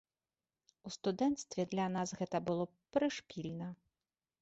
У студэнцтве для нас гэта было прышпільна.